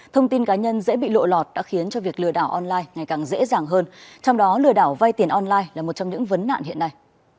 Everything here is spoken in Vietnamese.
thông tin cá nhân dễ bị lộ lọt đã khiến cho việc lừa đảo online ngày càng dễ dàng hơn trong đó lừa đảo vay tiền online là một trong những vấn nạn hiện nay